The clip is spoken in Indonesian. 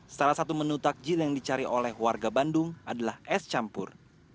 salah satu menu takjil yang dicari oleh warga bandung adalah es campur